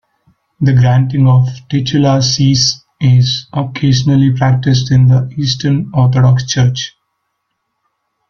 The granting of titular sees is occasionally practised in the Eastern Orthodox Church.